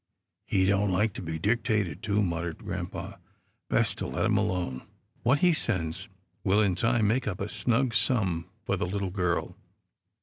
" He don't like to be dictated to," muttered grampa, "best to let him alone. What he sends will in time make a snug sum for the little girl.